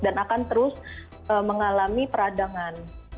dan akan terus mengalami peradangan